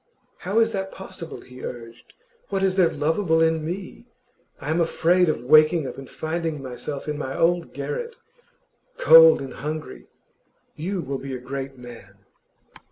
'How is that possible?' he urged. 'What is there lovable in me? I am afraid of waking up and finding myself in my old garret, cold and hungry.' 'You will be a great man.